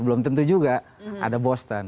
belum tentu juga ada boston